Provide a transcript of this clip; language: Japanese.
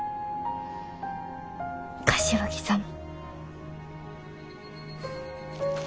柏木さんも。